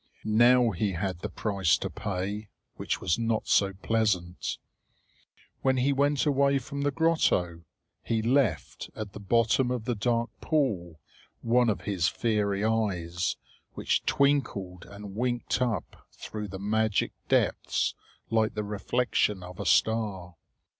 Now he had the price to pay, which was not so pleasant. When he went away from the grotto, he left at the bottom of the dark pool one of his fiery eyes, which twinkled and winked up through the magic depths like the reflection of a star.